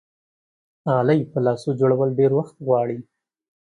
غلۍ په لاسو جوړول ډېر وخت غواړي.